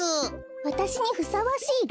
わたしにふさわしいラン？